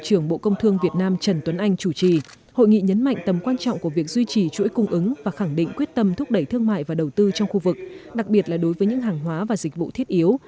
bộ trưởng bộ công thương việt nam trần tuấn anh chủ trì hội nghị nhấn mạnh tầm quan trọng của việc duy trì chuỗi cung ứng và khẳng định quyết tâm thúc đẩy thương mại và đầu tư trong khu vực đặc biệt là đối với những hàng hóa và dịch vụ thiết yếu